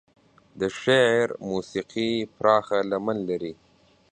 د شعر موسيقي پراخه لمن لري.